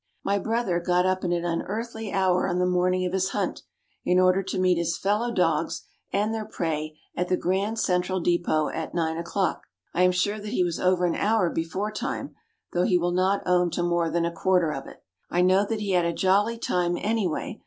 My brother got up at an unearthly hour on the morning of his hunt, in order to meet his fellow dogs and their prey at the Grand Central Depôt at nine o'clock. I am sure that he was over an hour before time, though he will not own to more than a quarter of it; I know that he had a jolly time, anyway.